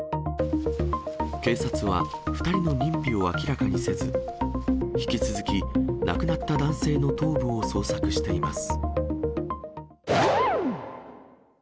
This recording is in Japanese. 警察は、２人の認否を明らかにせず、引き続き亡くなった男性の頭部を捜索しています。